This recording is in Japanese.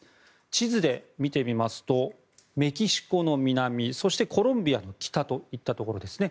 地図で見てみますとメキシコの南そしてコロンビアの北といったところですね。